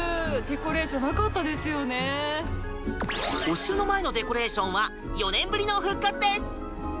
お城の前のデコレーションは４年ぶりの復活です。